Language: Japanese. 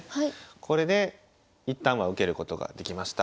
これで一旦は受けることができました。